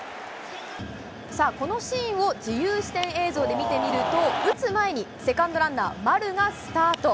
さあ、このシーンを自由視点映像で見てみると、打つ前に、セカンドランナー、丸がスタート。